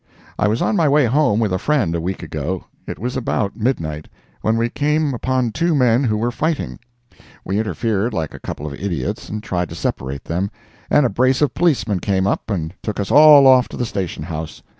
I was on my way home with a friend a week ago—it was about midnight—when we came upon two men who were fighting. We interfered like a couple of idiots, and tried to separate them, and a brace of policemen came up and took us all off to the Station House.